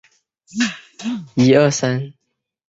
印度裔汶莱人是在文莱的外籍专业人士从印度到文莱。